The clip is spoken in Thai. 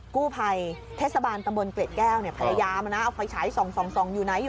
กู้ภัยเทศบาลตำบลเกร็ดแก้วพยายามนะเอาไฟฉายส่องอยู่ไหนอยู่